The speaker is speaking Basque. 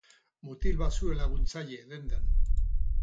Mutil bat zuen laguntzaile dendan.